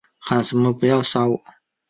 喊着什么不要杀我